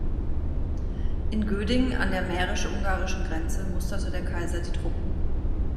In Göding an der mährisch-ungarischen Grenze musterte der Kaiser die Truppen.